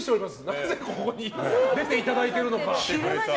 なぜここに出ていただいているのか。